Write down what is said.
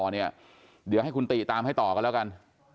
เดี๋ยวให้คุณติตามให้ต่อกันแล้วกัน